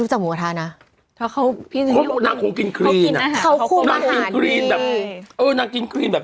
รู้จักดีครับ